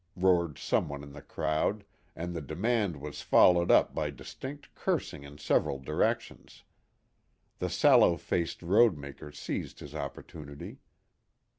roared some one in the crowd, and the demand was followed up by distinct cursing in several directions. The sallow faced roadmaker seized his opportunity.